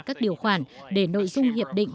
các điều khoản để nội dung hiệp định